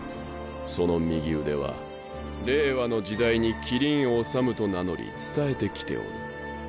その右腕は令和の時代に希林理と名乗り伝えてきておる。